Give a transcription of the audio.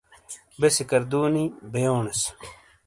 بے سکردو نی بئیونیس۔